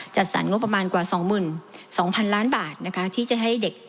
จัดสรรงบประมาณกว่า๒๒๐๐๐ล้านบาทนะคะที่จะให้เด็ก